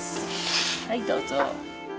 はい、どうぞ。